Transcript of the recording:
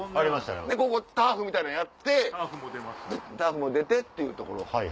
でここタープみたいのやってタープも出てっていうところ。